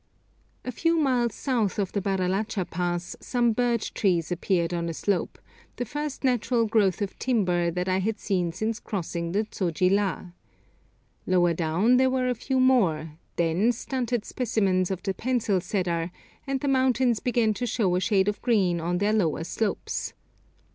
A few miles south of the Baralacha Pass some birch trees appeared on a slope, the first natural growth of timber that I had seen since crossing the Zoji La. Lower down there were a few more, then stunted specimens of the pencil cedar, and the mountains began to show a shade of green on their lower slopes.